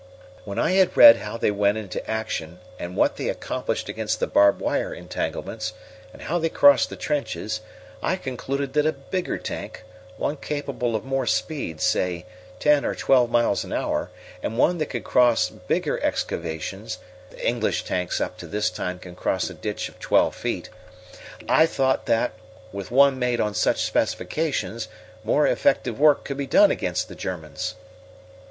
"When I had read how they went into action and what they accomplished against the barbed wire entanglements, and how they crossed the trenches, I concluded that a bigger tank, one capable of more speed, say ten or twelve miles an hour, and one that could cross bigger excavations the English tanks up to this time can cross a ditch of twelve feet I thought that, with one made on such specifications, more effective work could be done against the Germans."